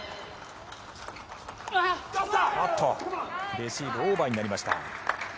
レシーブオーバーになりました。